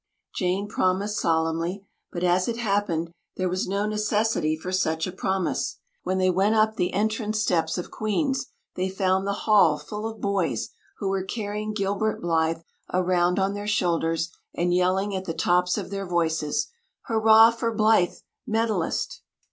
Jane promised solemnly; but, as it happened, there was no necessity for such a promise. When they went up the entrance steps of Queen's they found the hall full of boys who were carrying Gilbert Blythe around on their shoulders and yelling at the tops of their voices, "Hurrah for Blythe, Medalist!"